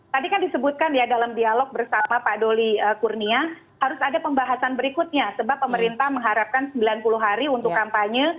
tadi kan disebutkan ya dalam dialog bersama pak doli kurnia harus ada pembahasan berikutnya sebab pemerintah mengharapkan sembilan puluh hari untuk kampanye